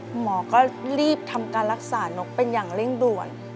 หมอก็รีบทำการรักษานกเป็นอย่างเร่งด่วน